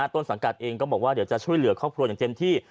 ต้นสังกัดเองก็บอกว่าเดี๋ยวจะช่วยเหลือครอบครัวอย่างเต็มที่